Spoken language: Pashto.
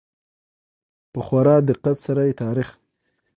په خورا دقت سره يې تاريخ